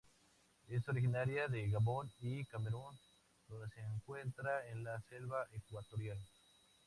Es originaria de Gabón y Camerún donde se encuentra en la selva ecuatorial.